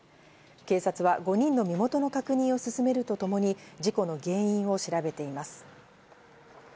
警察は５人の身元の確認を進めるとともに、事故の原因を調べています。